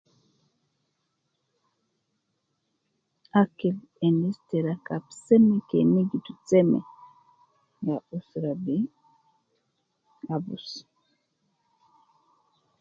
Akil, endis te rakab seme ke nigitu seme, na usra bi, abus